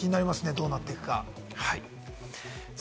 どうなっていくか。